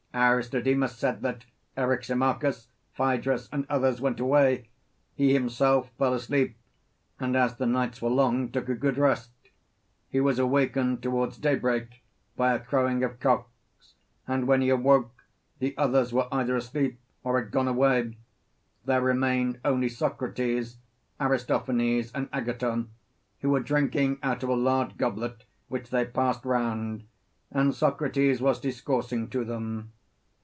Aristodemus said that Eryximachus, Phaedrus, and others went away he himself fell asleep, and as the nights were long took a good rest: he was awakened towards daybreak by a crowing of cocks, and when he awoke, the others were either asleep, or had gone away; there remained only Socrates, Aristophanes, and Agathon, who were drinking out of a large goblet which they passed round, and Socrates was discoursing to them.